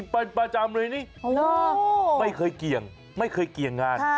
ไปประจำเลยนี่ไม่เคยเกี่ยงงาน